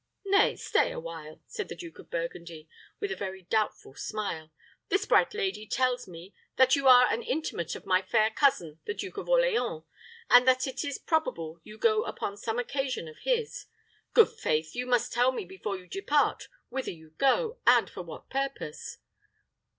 "Nay, stay a while," said the Duke of Burgundy, with a very doubtful smile. "This bright lady tells me that you are an intimate of my fair cousin the Duke of Orleans, and that it is probable you go upon some occasion of his. Good faith! you must tell me before you depart whither you go, and for what purpose."